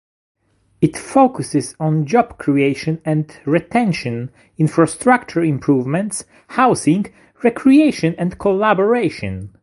It focuses on job creation and retention, infrastructure improvements, housing, recreation, and collaboration.